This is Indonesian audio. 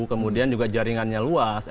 kemudian juga jaringannya luas